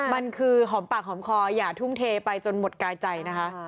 มันคือหอมปากหอมคออย่าทุ่มเทไปจนหมดกายใจนะคะ